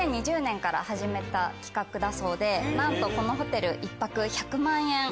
２０２０年から始めた企画だそうでなんとこのホテル１泊１００万円。